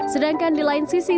sedangkan di lain sisi